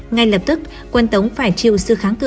ngay lập tức quân tống phải chịu sư kháng cự